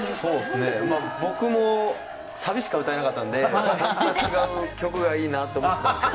僕もサビしか歌えなかったので違う曲がいいなと思ってたんですよ。